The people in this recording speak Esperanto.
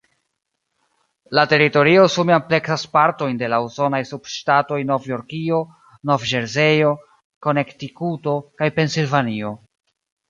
La teritorio sume ampleksas partojn de la usonaj subŝtatoj Novjorkio, Nov-Ĵerzejo, Konektikuto kaj Pensilvanio.